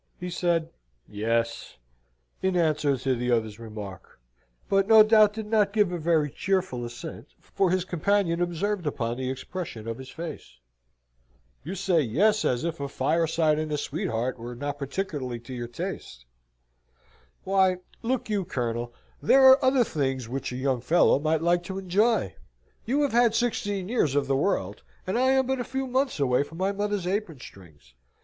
He said "Yes," in answer to the other's remark; but, no doubt, did not give a very cheerful assent, for his companion observed upon the expression of his face. "You say 'Yes' as if a fireside and a sweetheart were not particularly to your taste." "Why, look you, Colonel, there are other things which a young fellow might like to enjoy. You have had sixteen years of the world: and I am but a few months away from my mother's apron strings.